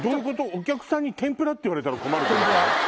お客さんに「天ぷら」って言われたら困る？